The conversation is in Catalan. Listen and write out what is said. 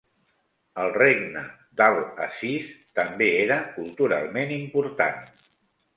El regne d'Al-Aziz també era culturalment important.